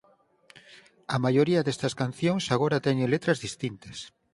A maioría destas cancións agora teñen letras distintas.